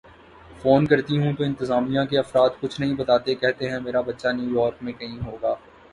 phone کرتی ہوں تو انتظامیہ کے افراد کچھ نہیں بتاتے کہتے ہیں میرا بچہ نیویارک میں کہیں ہوگا